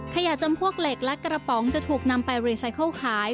จำพวกเหล็กและกระป๋องจะถูกนำไปรีไซเคิลขาย